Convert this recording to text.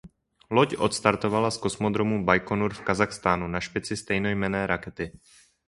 Loď odstartovala z kosmodromu Bajkonur v Kazachstánu na špici stejnojmenné rakety.